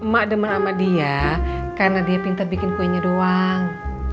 mak demam sama dia karena dia pintar bikin kuenya doang